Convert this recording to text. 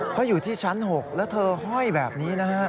เขาอยู่ที่ชั้น๖แล้วเธอห้อยแบบนี้นะฮะ